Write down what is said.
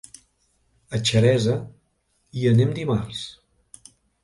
A Xeresa hi anem dimarts.